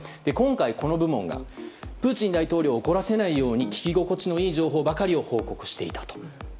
今回、この部門がプーチン大統領を怒らせないように聞き心地のいい情報ばかりを報告していたと。